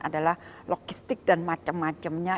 adalah logistik dan macam macamnya